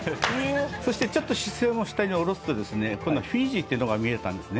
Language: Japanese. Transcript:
そしてちょっと視線を下に下ろすとですね今度はフィジーっていうのが見えたんですね。